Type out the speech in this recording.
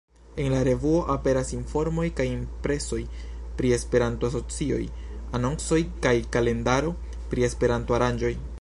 En la revuo aperas informoj kaj impresoj pri Esperanto-asocioj, anoncoj kaj kalendaro pri Esperanto-aranĝoj.